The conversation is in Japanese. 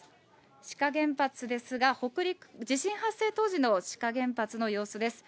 志賀原発ですが、地震発生当時の志賀原発の様子です。